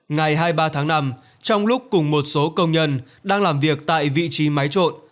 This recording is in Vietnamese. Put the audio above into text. ngày hai mươi ba tháng năm trong lúc cùng một số công nhân đang làm việc tại vị trí máy trộn